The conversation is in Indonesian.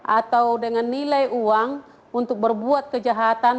atau dengan nilai uang untuk berbuat kejahatan